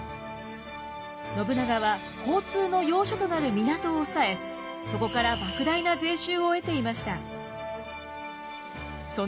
信長は交通の要所となる港を押さえそこから莫大な税収を得ていました。